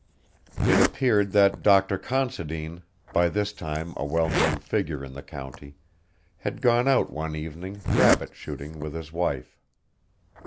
It appeared that Dr. Considine, by this time a well known figure in the county, had gone out one evening rabbit shooting with his wife.